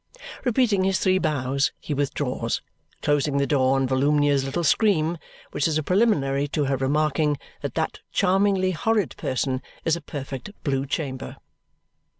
Repeating his three bows he withdraws, closing the door on Volumnia's little scream, which is a preliminary to her remarking that that charmingly horrible person is a perfect Blue Chamber.